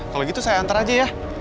kalau gitu saya antar aja ya